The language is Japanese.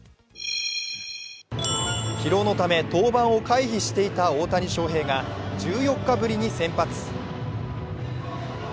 疲労のため登板を回避していた大谷が１４日ぶりに先発。